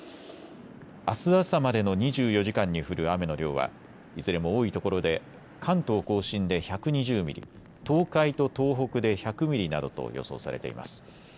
あす朝までの２４時間に降る雨の量はいずれも多いところで関東甲信で１２０ミリ、東海と東北で１００ミリなどと予想されています。